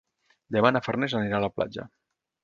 Demà na Farners anirà a la platja.